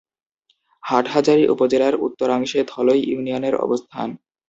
হাটহাজারী উপজেলার উত্তরাংশে ধলই ইউনিয়নের অবস্থান।